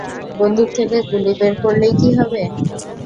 বন্দুক থেকে গুলি বের করলেই কি হবে?